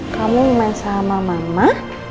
kamu main sama mama